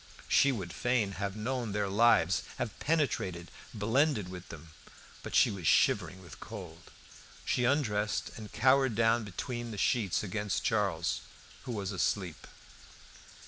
She would fain have known their lives, have penetrated, blended with them. But she was shivering with cold. She undressed, and cowered down between the sheets against Charles, who was asleep.